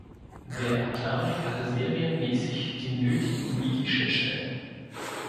Der Atari hatte serienmäßig die nötigen Midi-Schnittstellen.